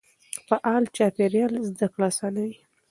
فعال چاپېريال زده کړه اسانوي.